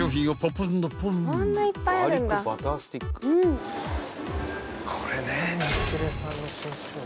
・これね。